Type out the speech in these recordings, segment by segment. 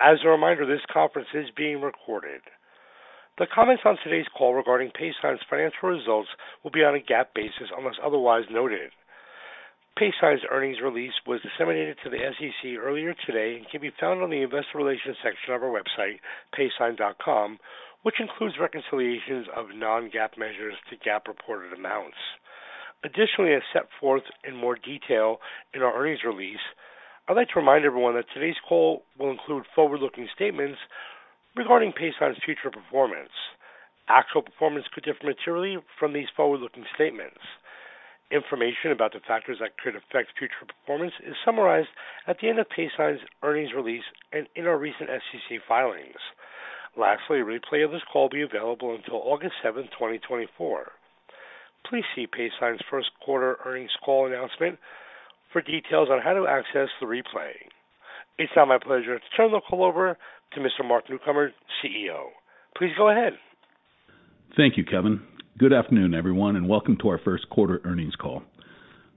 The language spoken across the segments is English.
As a reminder, this conference is being recorded. The comments on today's call regarding Paysign's financial results will be on a GAAP basis unless otherwise noted. Paysign's earnings release was disseminated to the SEC earlier today and can be found on the investor relations section of our website, paysign.com, which includes reconciliations of non-GAAP measures to GAAP-reported amounts. Additionally, as set forth in more detail in our earnings release, I'd like to remind everyone that today's call will include forward-looking statements regarding Paysign's future performance. Actual performance could differ materially from these forward-looking statements. Information about the factors that could affect future performance is summarized at the end of Paysign's earnings release and in our recent SEC filings. Lastly, a replay of this call will be available until August 7, 2024. Please see Paysign's first quarter earnings call announcement for details on how to access the replay. It's now my pleasure to turn the call over to Mr. Mark Newcomer, CEO. Please go ahead. Thank you, Kevin. Good afternoon, everyone, and welcome to our first quarter earnings call.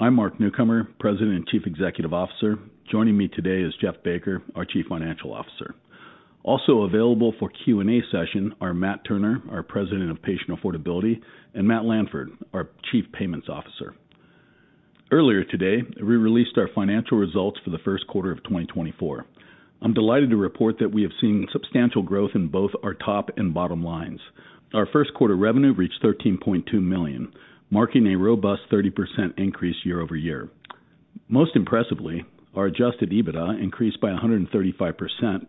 I'm Mark Newcomer, President and Chief Executive Officer. Joining me today is Jeff Baker, our Chief Financial Officer. Also available for Q&A session are Matt Turner, our President of Patient Affordability, and Matt Lanford, our Chief Payments Officer. Earlier today, we released our financial results for the first quarter of 2024. I'm delighted to report that we have seen substantial growth in both our top and bottom lines. Our first quarter revenue reached $13.2 million, marking a robust 30% increase year-over-year. Most impressively, our Adjusted EBITDA increased by 135%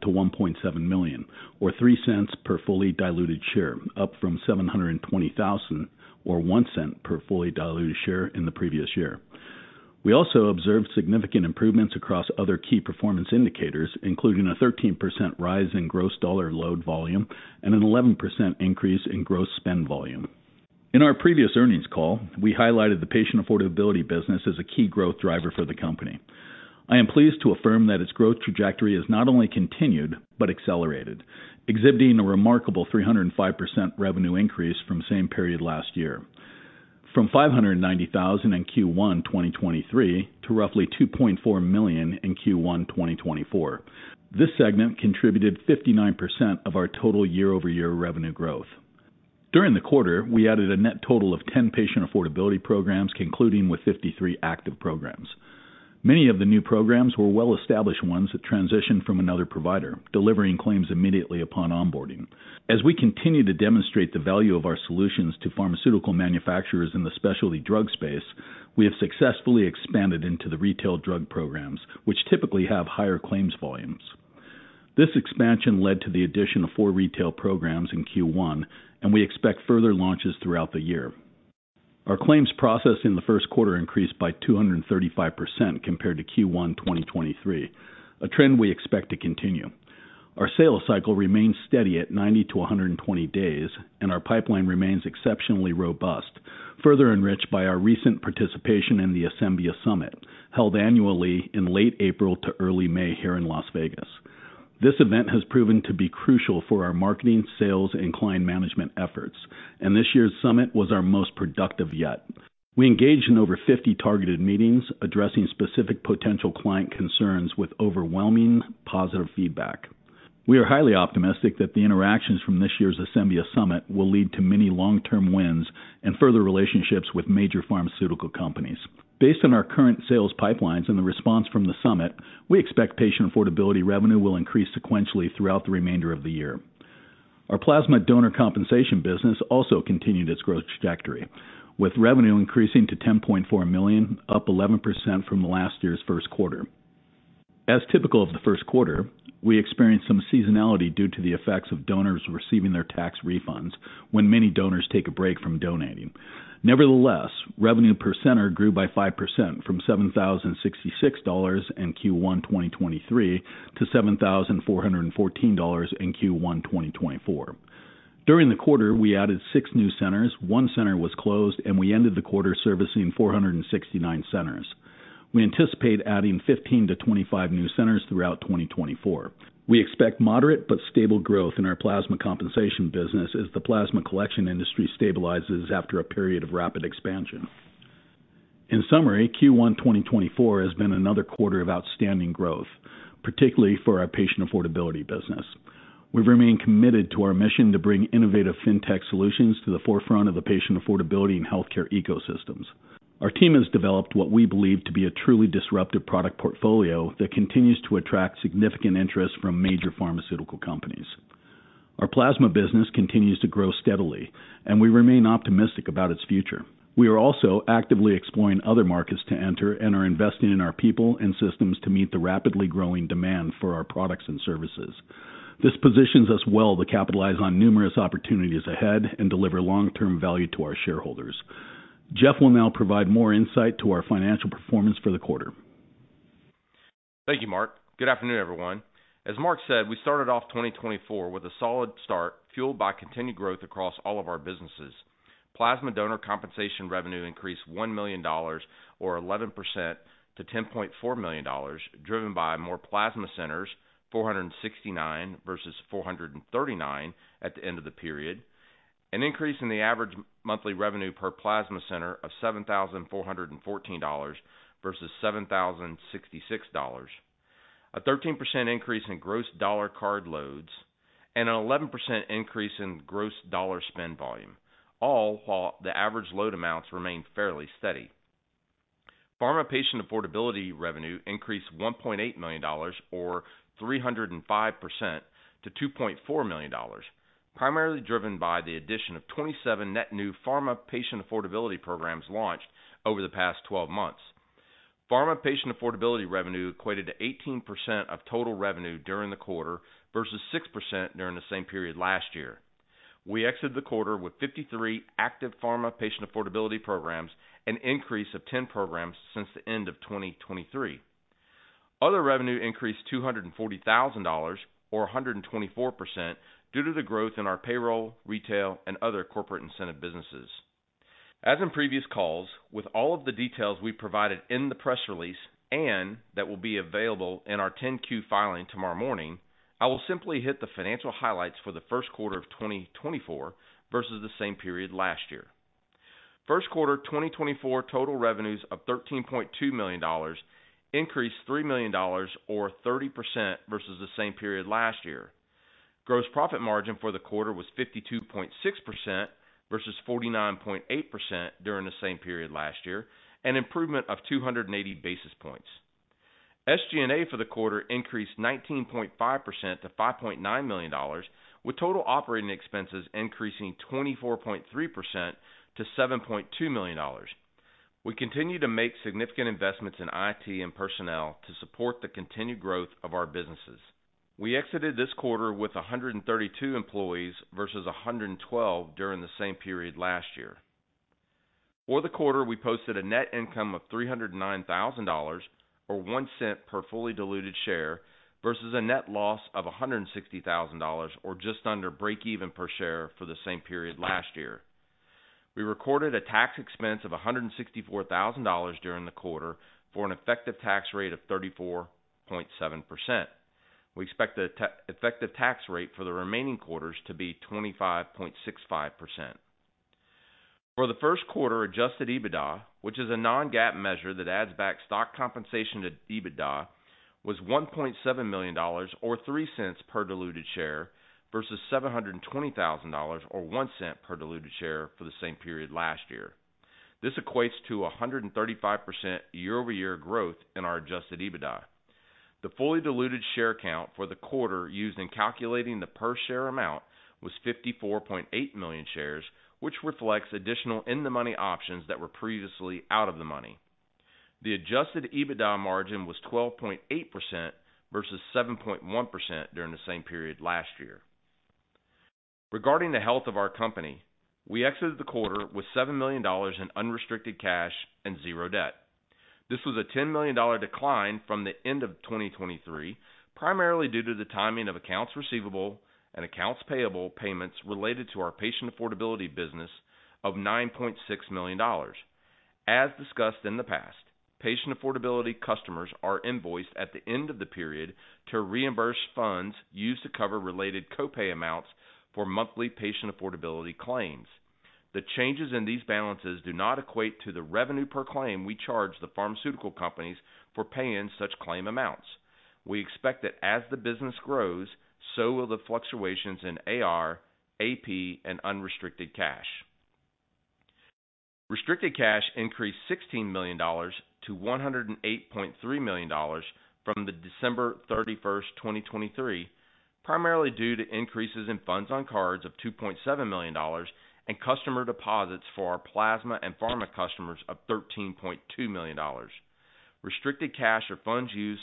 to $1.7 million, or $0.03 per fully diluted share, up from $720,000 or $0.01 per fully diluted share in the previous year. We also observed significant improvements across other key performance indicators, including a 13% rise in gross dollar load volume and an 11% increase in gross spend volume. In our previous earnings call, we highlighted the patient affordability business as a key growth driver for the company. I am pleased to affirm that its growth trajectory has not only continued but accelerated, exhibiting a remarkable 305% revenue increase from same period last year. From $590,000 in Q1 2023 to roughly $2.4 million in Q1 2024, this segment contributed 59% of our total year-over-year revenue growth. During the quarter, we added a net total of 10 patient affordability programs, concluding with 53 active programs. Many of the new programs were well-established ones that transitioned from another provider, delivering claims immediately upon onboarding. As we continue to demonstrate the value of our solutions to pharmaceutical manufacturers in the specialty drug space, we have successfully expanded into the retail drug programs, which typically have higher claims volumes. This expansion led to the addition of four retail programs in Q1, and we expect further launches throughout the year. Our claims process in the first quarter increased by 235% compared to Q1 2023, a trend we expect to continue. Our sales cycle remains steady at 90-120 days, and our pipeline remains exceptionally robust, further enriched by our recent participation in the Asembia Summit, held annually in late April to early May here in Las Vegas. This event has proven to be crucial for our marketing, sales, and client management efforts, and this year's summit was our most productive yet. We engaged in over 50 targeted meetings, addressing specific potential client concerns with overwhelming positive feedback. We are highly optimistic that the interactions from this year's Asembia Summit will lead to many long-term wins and further relationships with major pharmaceutical companies. Based on our current sales pipelines and the response from the summit, we expect patient affordability revenue will increase sequentially throughout the remainder of the year. Our plasma donor compensation business also continued its growth trajectory, with revenue increasing to $10.4 million, up 11% from last year's first quarter. As typical of the first quarter, we experienced some seasonality due to the effects of donors receiving their tax refunds when many donors take a break from donating. Nevertheless, revenue per center grew by 5% from $7,066 in Q1 2023 to $7,414 in Q1 2024. During the quarter, we added 6 new centers, 1 center was closed, and we ended the quarter servicing 469 centers. We anticipate adding 15-25 new centers throughout 2024. We expect moderate but stable growth in our plasma compensation business as the plasma collection industry stabilizes after a period of rapid expansion. In summary, Q1 2024 has been another quarter of outstanding growth, particularly for our patient affordability business. We remain committed to our mission to bring innovative fintech solutions to the forefront of the patient affordability and healthcare ecosystems. Our team has developed what we believe to be a truly disruptive product portfolio that continues to attract significant interest from major pharmaceutical companies. Our plasma business continues to grow steadily, and we remain optimistic about its future. We are also actively exploring other markets to enter and are investing in our people and systems to meet the rapidly growing demand for our products and services. This positions us well to capitalize on numerous opportunities ahead and deliver long-term value to our shareholders. Jeff will now provide more insight to our financial performance for the quarter. Thank you, Mark. Good afternoon, everyone. As Mark said, we started off 2024 with a solid start fueled by continued growth across all of our businesses. Plasma Donor Compensation revenue increased $1 million, or 11%, to $10.4 million, driven by more plasma centers (469 versus 439 at the end of the period), an increase in the average monthly revenue per plasma center of $7,414 versus $7,066, a 13% increase in gross dollar card loads, and an 11% increase in gross dollar spend volume, all while the average load amounts remained fairly steady. Pharma patient affordability revenue increased $1.8 million, or 305%, to $2.4 million, primarily driven by the addition of 27 net new pharma patient affordability programs launched over the past 12 months. Pharma patient affordability revenue equated to 18% of total revenue during the quarter versus 6% during the same period last year. We exited the quarter with 53 active pharma patient affordability programs and an increase of 10 programs since the end of 2023. Other revenue increased $240,000, or 124%, due to the growth in our payroll, retail, and other corporate incentive businesses. As in previous calls, with all of the details we provided in the press release and that will be available in our 10-Q filing tomorrow morning, I will simply hit the financial highlights for the first quarter of 2024 versus the same period last year. First quarter 2024 total revenues of $13.2 million increased $3 million, or 30%, versus the same period last year. Gross profit margin for the quarter was 52.6% versus 49.8% during the same period last year, an improvement of 280 basis points. SG&A for the quarter increased 19.5% to $5.9 million, with total operating expenses increasing 24.3% to $7.2 million. We continue to make significant investments in IT and personnel to support the continued growth of our businesses. We exited this quarter with 132 employees versus 112 during the same period last year. For the quarter, we posted a net income of $309,000, or $0.01 per fully diluted share, versus a net loss of $160,000, or just under break-even per share for the same period last year. We recorded a tax expense of $164,000 during the quarter for an effective tax rate of 34.7%. We expect the effective tax rate for the remaining quarters to be 25.65%. For the first quarter, Adjusted EBITDA, which is a non-GAAP measure that adds back stock compensation to EBITDA, was $1.7 million, or $0.03 per diluted share, versus $720,000, or $0.01 per diluted share for the same period last year. This equates to 135% year-over-year growth in our Adjusted EBITDA. The fully diluted share count for the quarter used in calculating the per share amount was 54.8 million shares, which reflects additional in-the-money options that were previously out of the money. The Adjusted EBITDA margin was 12.8% versus 7.1% during the same period last year. Regarding the health of our company, we exited the quarter with $7 million in unrestricted cash and zero debt. This was a $10 million decline from the end of 2023, primarily due to the timing of accounts receivable and accounts payable payments related to our patient affordability business of $9.6 million. As discussed in the past, patient affordability customers are invoiced at the end of the period to reimburse funds used to cover related copay amounts for monthly patient affordability claims. The changes in these balances do not equate to the revenue per claim we charge the pharmaceutical companies for paying such claim amounts. We expect that as the business grows, so will the fluctuations in AR, AP, and unrestricted cash. Restricted cash increased $16 million to $108.3 million from December 31, 2023, primarily due to increases in funds on cards of $2.7 million and customer deposits for our plasma and pharma customers of $13.2 million. Restricted cash are funds used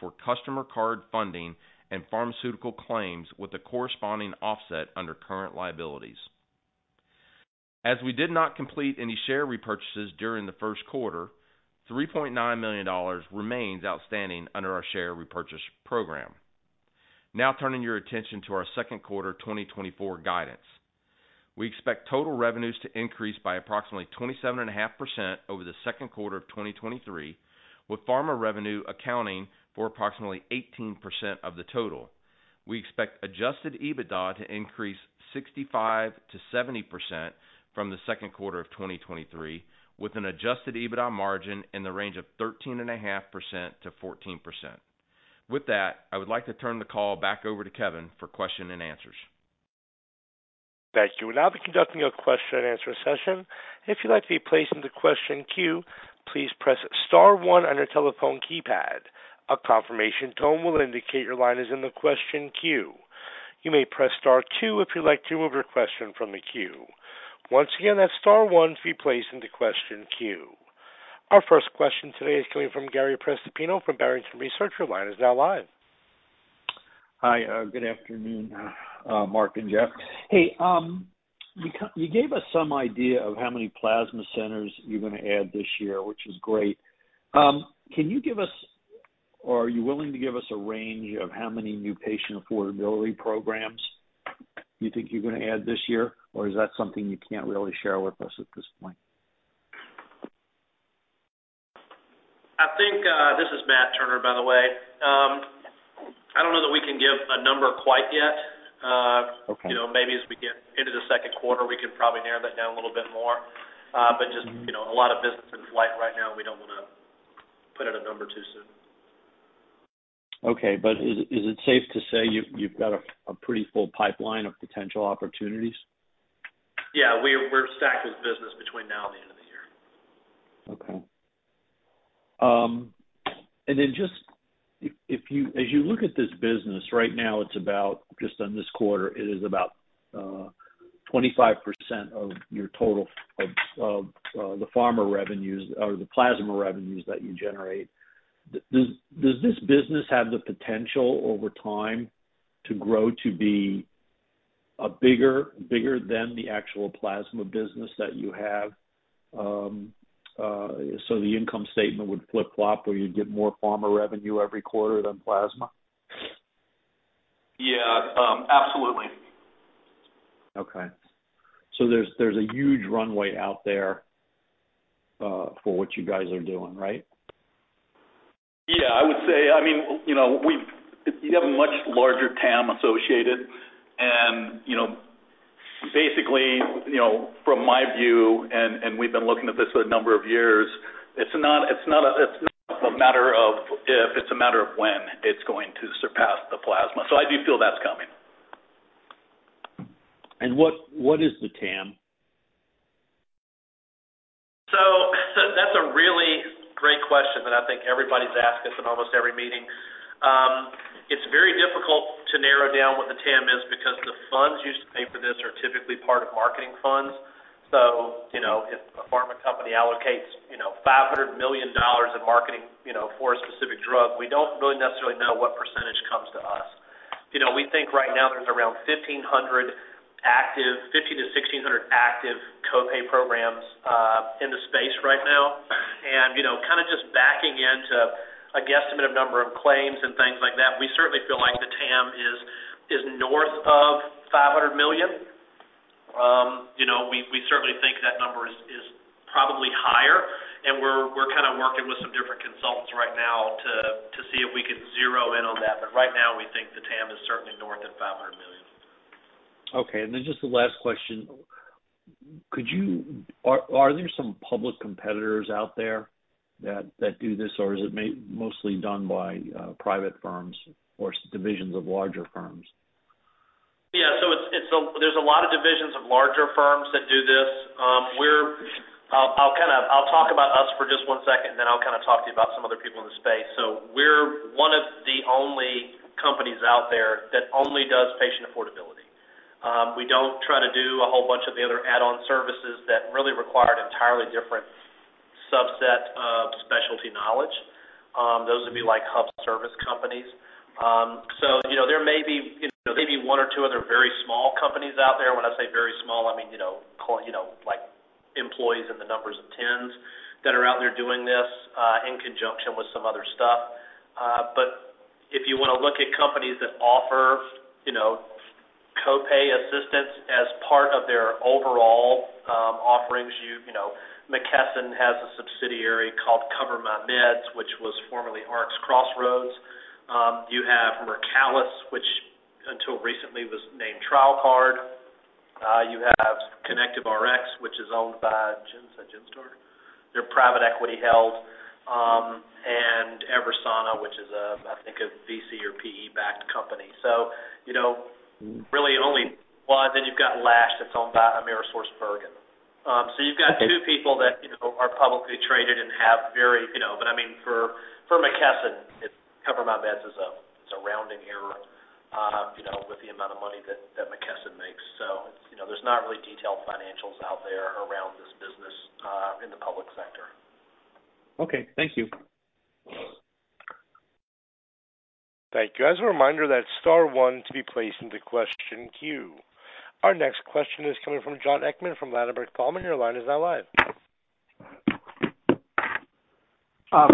for customer card funding and pharmaceutical claims with a corresponding offset under current liabilities. As we did not complete any share repurchases during the first quarter, $3.9 million remains outstanding under our share repurchase program. Now turning your attention to our second quarter 2024 guidance. We expect total revenues to increase by approximately 27.5% over the second quarter of 2023, with pharma revenue accounting for approximately 18% of the total. We expect adjusted EBITDA to increase 65%-70% from the second quarter of 2023, with an adjusted EBITDA margin in the range of 13.5%-14%. With that, I would like to turn the call back over to Kevin for question and answers. Thank you. We're now conducting a question and answer session. If you'd like to be placed in the question queue, please press *1 on your telephone keypad. A confirmation tone will indicate your line is in the question queue. You may press *2 if you'd like to remove your question from the queue. Once again, that's *1 to be placed in the question queue. Our first question today is coming from Gary Prestopino from Barrington Research. Your line is now live. Hi. Good afternoon, Mark and Jeff. Hey, you gave us some idea of how many plasma centers you're going to add this year, which is great. Can you give us or are you willing to give us a range of how many new patient affordability programs you think you're going to add this year, or is that something you can't really share with us at this point? I think this is Matt Turner, by the way. I don't know that we can give a number quite yet. Maybe as we get into the second quarter, we can probably narrow that down a little bit more. Just a lot of business in flight right now, and we don't want to put it a number too soon. Okay. But is it safe to say you've got a pretty full pipeline of potential opportunities? Yeah. We're stacked with business between now and the end of the year. Okay. And then just as you look at this business right now, it's about just on this quarter, it is about 25% of your total of the pharma revenues or the plasma revenues that you generate. Does this business have the potential over time to grow to be bigger than the actual plasma business that you have? So the income statement would flip-flop where you'd get more pharma revenue every quarter than plasma? Yeah. Absolutely. Okay. So there's a huge runway out there for what you guys are doing, right? Yeah. I would say I mean, you have a much larger TAM associated. And basically, from my view, and we've been looking at this for a number of years, it's not a matter of if. It's a matter of when it's going to surpass the plasma. So I do feel that's coming. What is the TAM? That's a really great question that I think everybody's asked us in almost every meeting. It's very difficult to narrow down what the TAM is because the funds used to pay for this are typically part of marketing funds. If a pharma company allocates $500 million in marketing for a specific drug, we don't really necessarily know what percentage comes to us. We think right now there's around 1,500-1,600 active copay programs in the space right now. Kind of just backing into a guesstimate of number of claims and things like that, we certainly feel like the TAM is north of $500 million. We certainly think that number is probably higher. We're kind of working with some different consultants right now to see if we can zero in on that. Right now, we think the TAM is certainly north of $500 million. Okay. And then just the last question. Are there some public competitors out there that do this, or is it mostly done by private firms or divisions of larger firms? Yeah. So there's a lot of divisions of larger firms that do this. I'll talk about us for just one second, and then I'll kind of talk to you about some other people in the space. So we're one of the only companies out there that only does patient affordability. We don't try to do a whole bunch of the other add-on services that really require an entirely different subset of specialty knowledge. Those would be like hub services companies. So there may be one or two other very small companies out there. When I say very small, I mean like employees in the numbers of tens that are out there doing this in conjunction with some other stuff. But if you want to look at companies that offer copay assistance as part of their overall offerings, McKesson has a subsidiary called CoverMyMeds, which was formerly RxCrossroads. You have Mercalis, which until recently was named TrialCard. You have ConnectiveRx, which is owned by Genstar. They're private equity held. And Eversana, which is, I think, a VC or PE-backed company. So really, only well, then you've got Lash that's owned by AmerisourceBergen. So you've got two people that are publicly traded and have very but I mean, for McKesson, CoverMyMeds is a rounding error with the amount of money that McKesson makes. So there's not really detailed financials out there around this business in the public sector. Okay. Thank you. Thank you. As a reminder, that's star 1 to be placed in the question queue. Our next question is coming from Jon Hickman from Ladenburg Thalmann. Your line is now live. Hold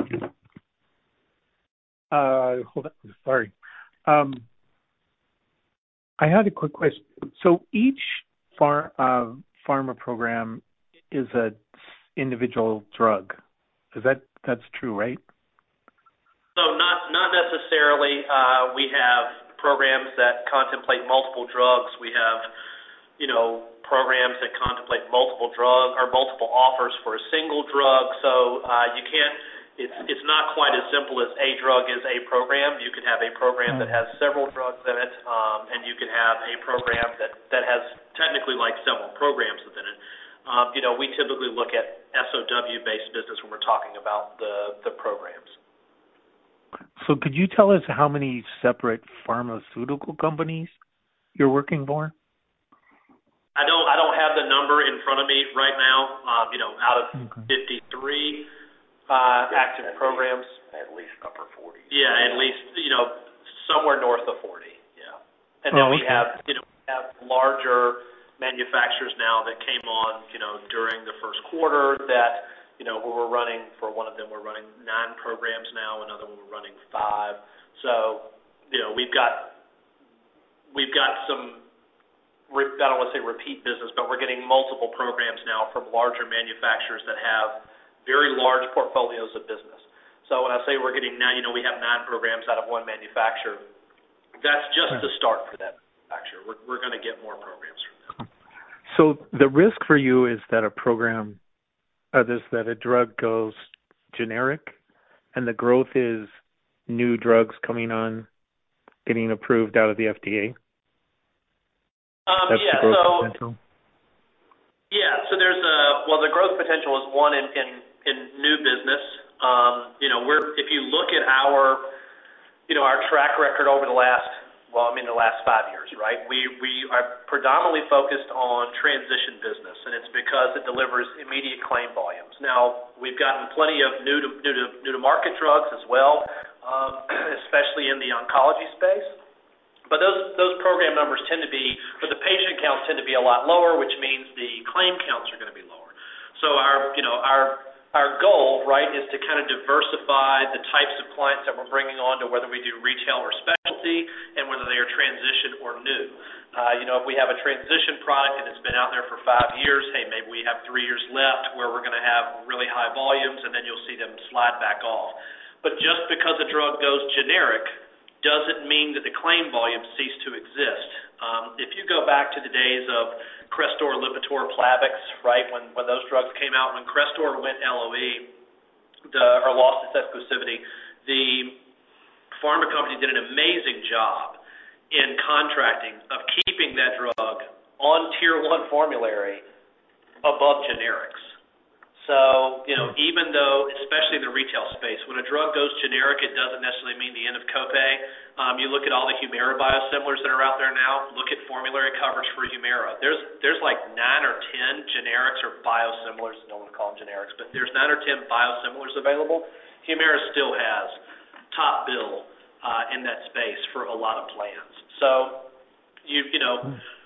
on. Sorry. I had a quick question. So each pharma program is an individual drug. That's true, right? So not necessarily. We have programs that contemplate multiple drugs. We have programs that contemplate multiple drugs or multiple offers for a single drug. So it's not quite as simple as a drug is a program. You can have a program that has several drugs in it, and you can have a program that has technically several programs within it. We typically look at SOW-based business when we're talking about the programs. Could you tell us how many separate pharmaceutical companies you're working for? I don't have the number in front of me right now. Out of 53 active programs. At least upper 40. Yeah. At least somewhere north of 40. Yeah. And then we have larger manufacturers now that came on during the first quarter that we were running for one of them, we're running 9 programs now. Another one, we're running 5. So we've got some I don't want to say repeat business, but we're getting multiple programs now from larger manufacturers that have very large portfolios of business. So when I say we're getting now, we have 9 programs out of one manufacturer. That's just the start for that manufacturer. We're going to get more programs from them. So the risk for you is that a drug goes generic and the growth is new drugs coming on, getting approved out of the FDA? That's the growth potential? Yeah. So there's, well, the growth potential is one in new business. If you look at our track record over the last, well, I mean, the last five years, right? We are predominantly focused on transition business, and it's because it delivers immediate claim volumes. Now, we've gotten plenty of new-to-market drugs as well, especially in the oncology space. But those program numbers tend to be, but the patient counts tend to be a lot lower, which means the claim counts are going to be lower. So our goal, right, is to kind of diversify the types of clients that we're bringing on to whether we do retail or specialty and whether they are transition or new. If we have a transition product and it's been out there for 5 years, hey, maybe we have 3 years left where we're going to have really high volumes, and then you'll see them slide back off. But just because a drug goes generic doesn't mean that the claim volume ceased to exist. If you go back to the days of Crestor, Lipitor, Plavix, right, when those drugs came out, when Crestor went LOE or lost its exclusivity, the pharma company did an amazing job in contracting of keeping that drug on tier one formulary above generics. So even though, especially in the retail space, when a drug goes generic, it doesn't necessarily mean the end of copay. You look at all the Humira biosimilars that are out there now. Look at formulary coverage for Humira. There's like 9 or 10 generics or biosimilars - no one will call them generics - but there's 9 or 10 biosimilars available. Humira still has top bill in that space for a lot of plans. So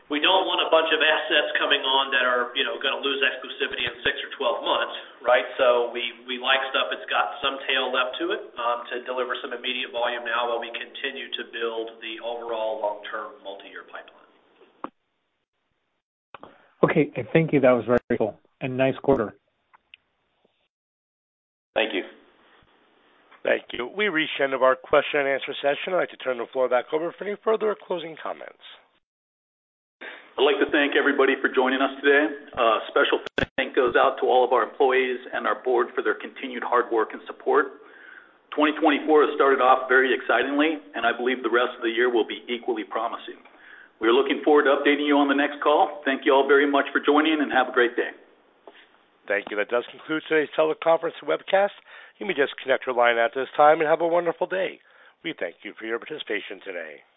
we don't want a bunch of assets coming on that are going to lose exclusivity in 6 or 12 months, right? So we like stuff that's got some tail left to it to deliver some immediate volume now while we continue to build the overall long-term multi-year pipeline. Okay. Thank you. That was very helpful. Nice quarter. Thank you. Thank you. We reached the end of our question and answer session. I'd like to turn the floor back over for any further or closing comments. I'd like to thank everybody for joining us today. A special thank goes out to all of our employees and our board for their continued hard work and support. 2024 has started off very excitingly, and I believe the rest of the year will be equally promising. We are looking forward to updating you on the next call. Thank you all very much for joining, and have a great day. Thank you. That does conclude today's teleconference webcast. You may just connect your line at this time and have a wonderful day. We thank you for your participation today.